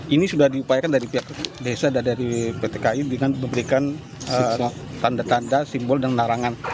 ini sudah diupayakan dari pihak desa dan dari pt kai dengan memberikan tanda tanda simbol dan larangan